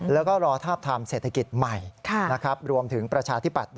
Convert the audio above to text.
แล้วก็รอทาบทามเศรษฐกิจใหม่รวมถึงประชาธิปัตย์